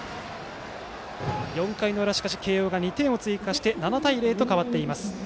しかし、４回の裏慶応が２点を追加して７対０と変わっています。